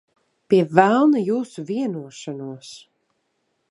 Pie velna jūsu vienošanos.